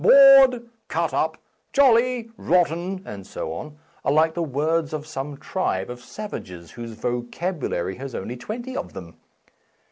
"Bored," "cut up," "jolly,"' "rotten," and so on, are like the words of some tribe of savages whose vocabulary has only twenty of them.